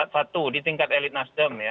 satu di tingkat elit nasdem ya